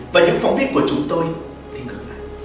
và những phóng viết của chúng tôi thì ngừng lại